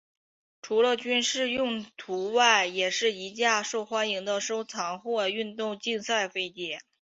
除了军事用途外也是一架受欢迎的收藏或运动竞赛飞机。